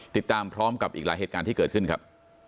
ติดตามพร้อมกับอีกหลายเหตุการณ์ที่เกิดขึ้นครับ